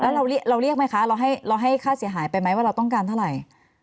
แล้วเราเรียกไหมคะเราให้ค่าเสียหายไปไหมว่าเราต้องการเท่าไหร่